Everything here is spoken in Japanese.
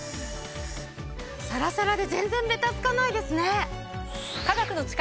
サラサラで全然ベタつかないですね！